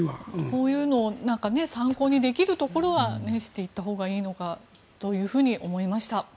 こういうのを参考にできるところはしていったほうがいいと思いました。